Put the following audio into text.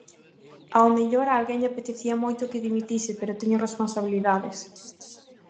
Ao mellor a alguén lle apetecía moito que dimitise pero teño responsabilidades.